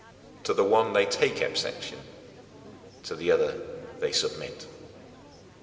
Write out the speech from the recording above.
To the one they take exception; to the other they submit. 14.